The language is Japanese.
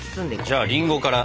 じゃありんごから。